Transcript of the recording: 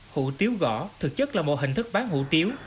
hủ tiếu gõ thực chất là một hình thức bán hủ tiếu